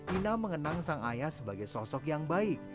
ina mengenang sang ayah sebagai sosok yang baik